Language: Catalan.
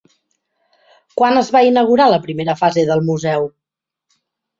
Quan es va inaugurar la primera fase del Museu?